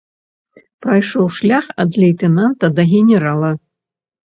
Прайшоў шлях ад лейтэнанта да генерала.